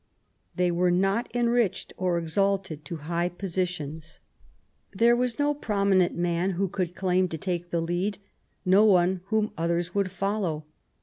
They were not enriched or exalted to high positions. There was no prominent man who could claim to take the lead, no one whom 224 QUEEN ELIZABETH, others would follow.